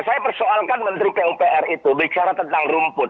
saya persoalkan menteri pupr itu bicara tentang rumput